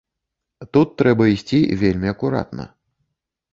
Тут трэба ісці вельмі акуратна.